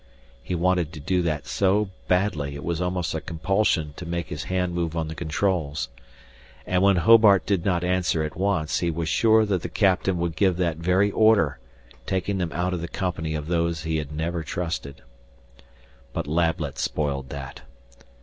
He wanted to do that so badly it was almost a compulsion to make his hand move on the controls. And when Hobart did not answer at once, he was sure that the captain would give that very order, taking them out of the company of those he had never trusted. But Lablet spoiled that.